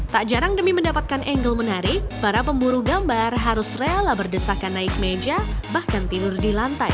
tak jarang demi mendapatkan angle menarik para pemburu gambar harus rela berdesakan naik meja bahkan tidur di lantai